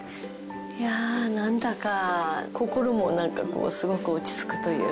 いやなんだか心もなんかこうすごく落ち着くというか。